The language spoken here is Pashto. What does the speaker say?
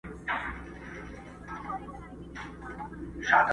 چي ښخ کړی یې پلټن وو د یارانو٫